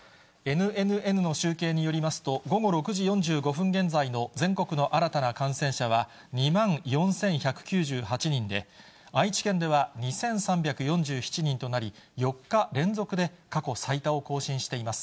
ＮＮＮの集計によりますと、午後６時４５分現在の全国の新たな感染者は、２万４１９８人で、愛知県では２３４７人となり、４日連続で過去最多を更新しています。